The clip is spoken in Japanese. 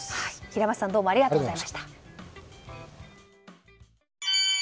平松さんどうもありがとうございました。